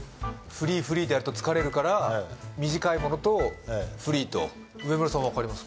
フリー・フリーとやると疲れるから短いものとフリーと上村さん分かります？